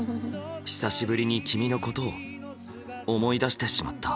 久しぶりに君のことを思い出してしまった。